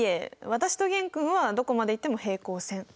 私と玄君はどこまで行っても平行線。